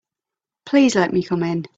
Please let me come in.